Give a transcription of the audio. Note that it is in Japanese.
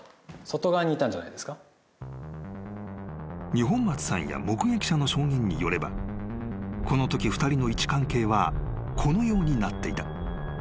［二本松さんや目撃者の証言によればこのとき２人の位置関係はこのようになっていた］